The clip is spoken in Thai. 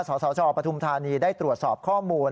สสชปฐุมธานีได้ตรวจสอบข้อมูล